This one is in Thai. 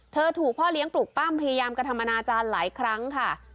ถูกพ่อเลี้ยงปลูกปั้มพยายามกระทำอนาจารย์หลายครั้งค่ะ